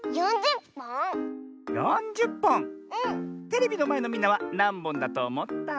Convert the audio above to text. テレビのまえのみんなはなんぼんだとおもった？